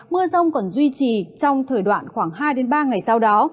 mưa rông còn duy trì trong thời đoạn khoảng hai ba ngày sau đó